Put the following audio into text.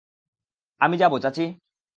আমি যাবো, চাচী।